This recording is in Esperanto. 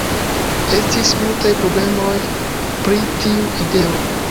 Estis multaj problemoj pri tiu ideo.